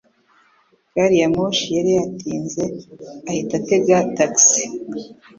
Gari ya moshi yari yatinze, ahita atega taxi